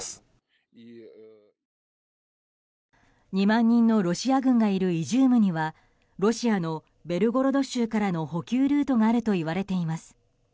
２万人のロシア軍がいるイジュームにはロシアのベルゴロド州からの補給ルートがあるといわれています。